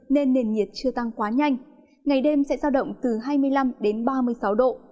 nên nền nhiệt chưa tăng quá nhanh ngày đêm sẽ giao động từ hai mươi năm đến ba mươi sáu độ